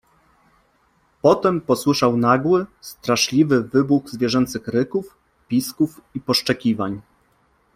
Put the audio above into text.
Potem posłyszał nagły, straszliwy wybuch zwierzęcych ryków, pisków i poszczekiwań.